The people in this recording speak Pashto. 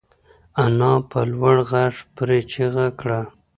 انا په لوړ غږ پرې چیغه کړه.